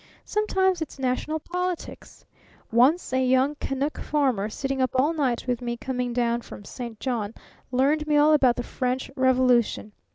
Sometimes it's national politics. Once a young Canuck farmer sitting up all night with me coming down from St. John learned me all about the French Revolution.